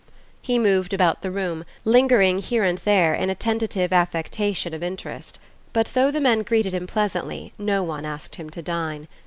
He moved about the room, lingering here and there in a tentative affectation of interest; but though the men greeted him pleasantly no one asked him to dine.